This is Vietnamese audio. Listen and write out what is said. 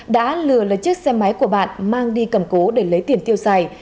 đã lừa lấy chiếc xe máy của bạn mang đi cầm cố để lấy tiền tiêu xài